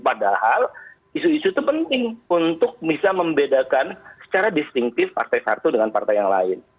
padahal isu isu itu penting untuk bisa membedakan secara distingtif partai satu dengan partai yang lain